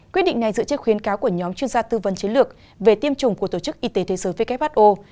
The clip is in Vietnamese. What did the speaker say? quyết định này dựa trên khuyến cáo của nhóm chuyên gia tư vấn chiến lược về tiêm chủng của tổ chức y tế thế giới who